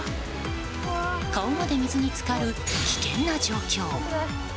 顔まで水に浸かる危険な状況。